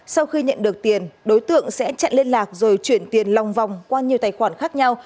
sau khi nhận được tiền đối tượng sẽ chặn liên lạc rồi chuyển tiền lòng vòng qua nhiều tài khoản khác nhau